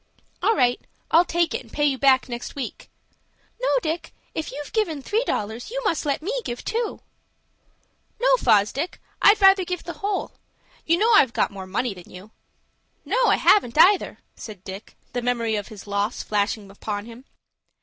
"All right. I'll take it, and pay you back next week." "No, Dick; if you've given three dollars, you must let me give two." "No, Fosdick, I'd rather give the whole. You know I've got more money than you. No, I haven't, either," said Dick, the memory of his loss flashing upon him.